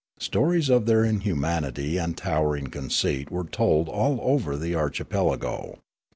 Stories of their inhumanity and towering conceit were told all over the archipelago.